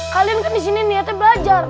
kalian kan di sini niatnya belajar